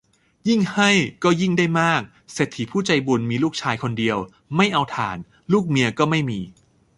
ยิ่งให้ก็ยิ่งได้มาก เศรษฐีผู้ใจบุญมีลูกชายคนเดียว ไม่เอาถ่าน ลูกเมียก็ไม่มี